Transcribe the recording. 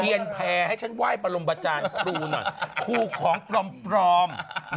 เฮียนแพร่ให้ฉันไหว้ปรมบาจารย์ครูหน่อยครูของพร้อม